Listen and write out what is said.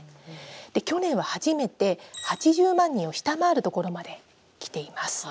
去年は初めて、８０万人を下回るところまできています。